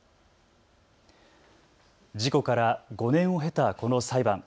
事故から５年を経たこの裁判。